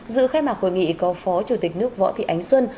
dự khai mạc hội nghị có phó chủ tịch nước võ thị ánh xuân